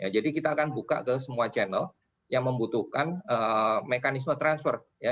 jadi kita akan buka ke semua channel yang membutuhkan mekanisme transfer ya